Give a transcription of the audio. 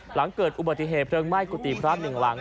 หลังเกิดอุบัติเหตุเพลิงไหม้กุฏิพระหนึ่งหลัง